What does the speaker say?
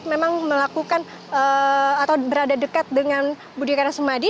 memang melakukan atau berada dekat dengan budi karya sumadi